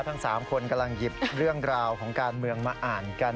ทั้ง๓คนกำลังหยิบเรื่องราวของการเมืองมาอ่านกัน